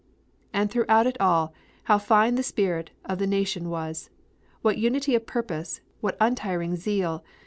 "And throughout it all how fine the spirit of the Nation was; what unity of purpose, what untiring zeal!